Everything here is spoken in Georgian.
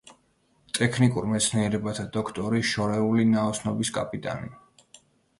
ტექნიკურ მეცნიერებათა დოქტორი, შორეული ნაოსნობის კაპიტანი.